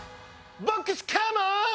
ボックスカモン！